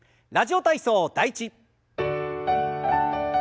「ラジオ体操第１」。